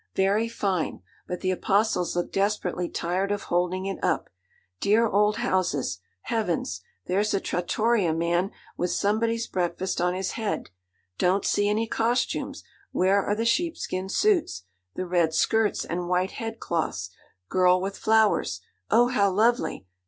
Very fine, but the apostles look desperately tired of holding it up. Dear old houses! Heavens! there's a trattoria man with somebody's breakfast on his head! Don't see any costumes. Where are the sheepskin suits? the red skirts and white head cloths? Girl with flowers. Oh, how lovely!